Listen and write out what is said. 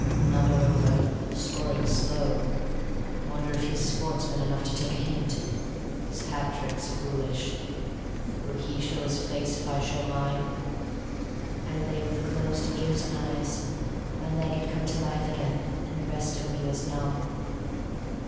Another over ... scoring's slow.... I wonder if he's sportsman enough to take a hint? His hat trick's foolish. Will he show his face if I show mine?" I lay with closed ears and eyes. My leg had come to life again, and the rest of me was numb.